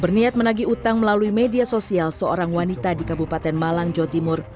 berniat menagih utang melalui media sosial seorang wanita di kabupaten malang jawa timur